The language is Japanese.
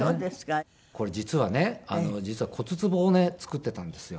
これ実はね骨つぼをね作っていたんですよ。